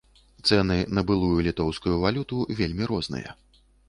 Цэны на былую літоўскую валюту вельмі розныя.